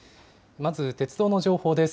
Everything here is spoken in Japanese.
まず鉄道の情報です。